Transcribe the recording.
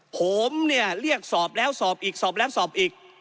ผมเนี่ยเรียกสอบแล้วสอบอีกสอบแล้วสอบอีก